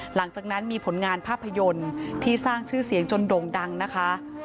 หลังจากนั้นมีผลงานภาพยนตร์ที่สร้างชื่อเสียงจนโด่งดังนะคะ